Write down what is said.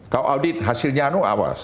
kalau audit hasilnya itu awas